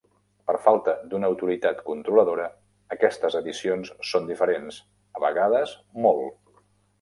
Per falta d'una autoritat controladora, aquestes edicions són diferents, a vegades molt.